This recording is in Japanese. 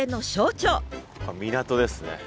港ですね。